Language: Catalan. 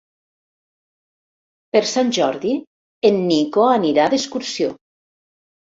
Per Sant Jordi en Nico anirà d'excursió.